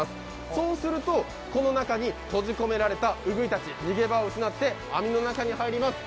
そうするとこの中に閉じ込められたウグイたち逃げ場を失って網の中に入ります。